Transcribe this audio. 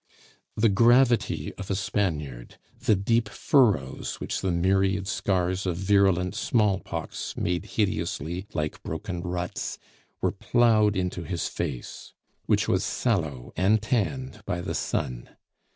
The gravity of a Spaniard, the deep furrows which the myriad scars of virulent smallpox made hideously like broken ruts, were ploughed into his face, which was sallow and tanned by the sun.